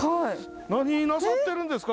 何なさってるんですか？